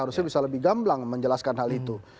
harusnya bisa lebih gamblang menjelaskan hal itu